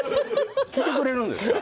来てくれるんですか？